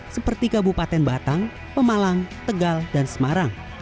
seperti kabupaten batang pemalang tegal dan semarang